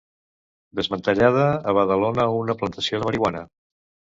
Desmantellada a Badalona una plantació de marihuana.